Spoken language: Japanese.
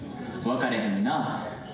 わかれへんな。